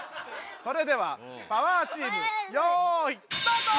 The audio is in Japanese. それではパワーチームよいスタート！